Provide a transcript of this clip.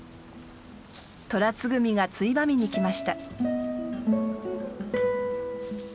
トラツグミがついばみに来ました。